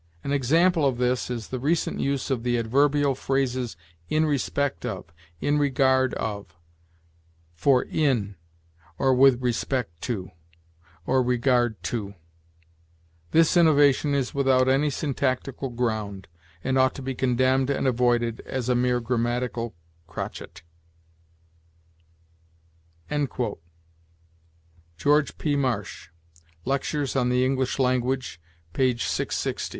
An example of this is the recent use of the adverbial phrases in respect of, in regard of, for in or with respect to, or regard to. This innovation is without any syntactical ground, and ought to be condemned and avoided as a mere grammatical crotchet." George P. Marsh, "Lectures on the English Language," p. 660.